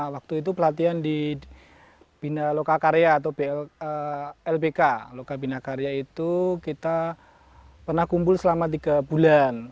waktu itu pelatihan di bina lokakarya atau lbk lokabina karya itu kita pernah kumpul selama tiga bulan